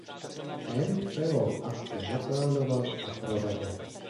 Ten celou akci naplánoval a provedl.